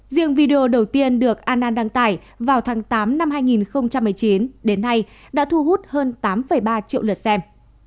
riêng video đầu tiên được annan đăng tải vào tháng tám năm hai nghìn một mươi chín đến nay đã thu hút hơn tám ba triệu lượt xem